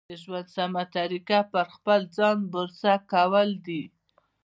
د ژوند سمه طریقه په خپل ځان بروسه کول دي.